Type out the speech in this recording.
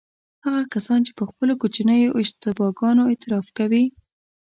هغه کسان چې پر خپلو کوچنیو اشتباه ګانو اعتراف کوي.